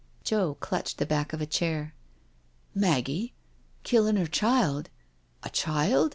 Joe clutched the back of a chair. " Maggie? Killing her child? A child?"